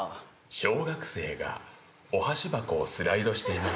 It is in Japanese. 小学生がお箸箱をスライドしています